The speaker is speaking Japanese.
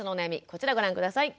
こちらご覧下さい。